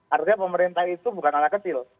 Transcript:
artinya pemerintah itu bukan anak kecil